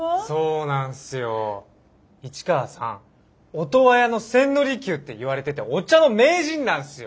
オトワヤの千利休って言われててお茶の名人なんすよ。